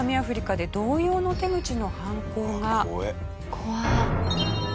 怖っ。